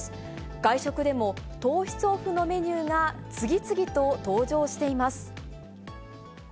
外食でも糖質オフのメニューが次々と登場しています。